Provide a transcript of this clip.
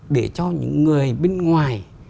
để cho những người bên ngoài